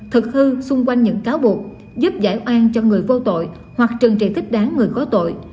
thực hư xung quanh những cáo buộc giúp giải oan cho người vô tội hoặc trừng trị thích đáng người có tội